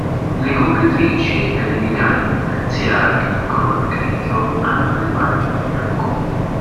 Le copritrici e le remiganti terziarie, di colore grigio, hanno il margine bianco.